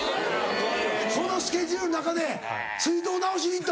このスケジュールの中で水道直しに行った？